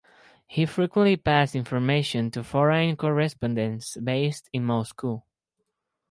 He frequently passed information to foreign correspondents based in Moscow.